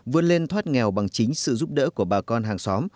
vươn lên thoát nghèo bằng chính sự giúp đỡ của bà con hàng xóm